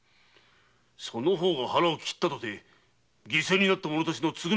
その方が腹を切ったとて犠牲になった者たちの償いになるか！